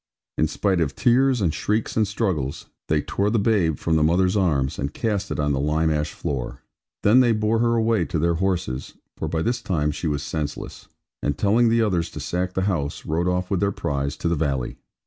In spite of tears, and shrieks, and struggles, they tore the babe from the mother's arms, and cast it on the lime ash floor; then they bore her away to their horses (for by this time she was senseless), and telling the others to sack the house, rode off with their prize to the valley.